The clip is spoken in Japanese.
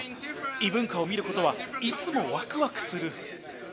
異文化を見ることは、いつもわくわくする。